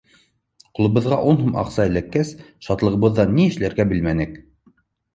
Ҡулыбыҙға ун һум аҡса эләккәс, шатлығыбыҙҙан ни эшләргә белмәнек.